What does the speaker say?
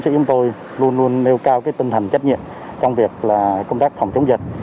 sĩ của tôi luôn luôn nêu cao cái tinh thần trách nhiệm trong việc là công tác phòng chống dịch